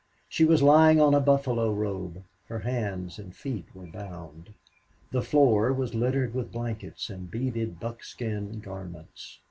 She was lying on a buffalo robe; her hands and feet were bound; the floor was littered with blankets and beaded buckskin garments.